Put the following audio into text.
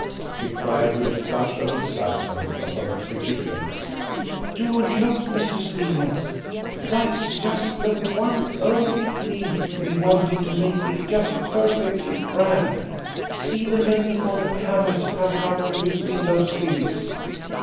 she cried, with a flush of excitement upon her pretty face. "Do look, Mr. Stephens! That's just the one only thing we wanted to make it just perfectly grand. See the men upon the camels coming out from between those hills!"